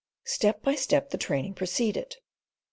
Step by step, the training proceeded.